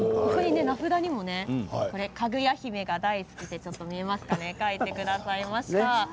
名札にもかぐや姫が大好きと書いてくださいました。